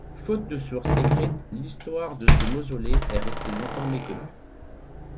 Faute de sources écrites, l'histoire de ce mausolée est restée longtemps méconnue.